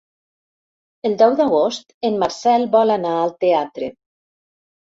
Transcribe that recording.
El deu d'agost en Marcel vol anar al teatre.